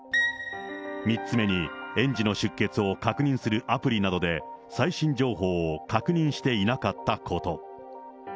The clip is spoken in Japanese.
３つ目に、園児の出欠を確認するアプリなどで最新情報を確認していなかったこと。